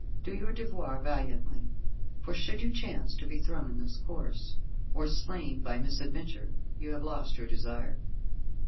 Do your devoir, valiantly, for should you chance to be thrown in this course, or slain by misadventure, you have lost your desire.